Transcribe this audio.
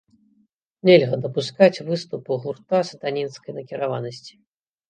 Нельга дапускаць выступ гурта сатанінскай накіраванасці.